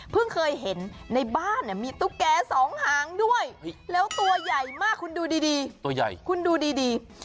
เพิ่งเคยเห็นในบ้านมีตุ๊กแกสองหางด้วยแล้วตัวใหญ่มากคุณดูดี